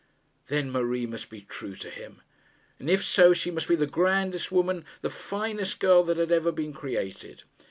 Then Marie must be true to him! And if so, she must be the grandest woman, the finest girl that had ever been created.